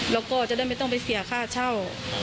แล้วก็จะได้ไม่ต้องไปเสียค่าเช่า